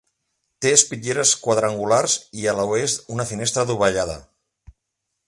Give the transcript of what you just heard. Té espitlleres quadrangulars i a l'oest una finestra adovellada.